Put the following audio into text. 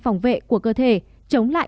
phòng vệ của cơ thể chống lại